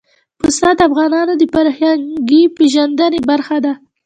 پسه د افغانانو د فرهنګي پیژندنې برخه ده.